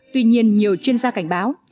tuy nhiên nhiều chuyên gia cảnh báo